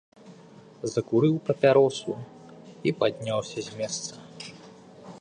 Закурыў папяросу і падняўся з месца.